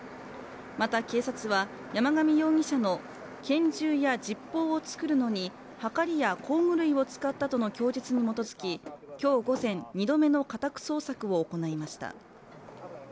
また警察は山上容疑者の拳銃や実包を作るのにはかりや工具類を使ったとの供述に基づき今日午前２度目の家宅捜索を行いました。